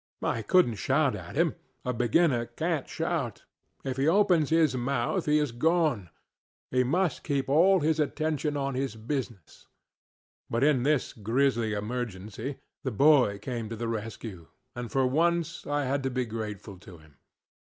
I couldnŌĆÖt shout at himŌĆöa beginner canŌĆÖt shout; if he opens his mouth he is gone; he must keep all his attention on his business. But in this grisly emergency, the boy came to the rescue, and for once I had to be grateful to him.